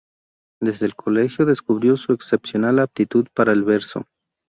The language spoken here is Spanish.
Desde el colegio descubrió su excepcional aptitud para el verso.